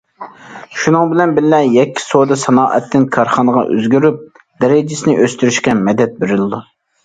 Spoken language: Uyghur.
شۇنىڭ بىلەن بىللە،« يەككە سودا- سانائەتتىن كارخانىغا ئۆزگىرىپ» دەرىجىسىنى ئۆستۈرۈشىگە مەدەت بېرىلىدۇ.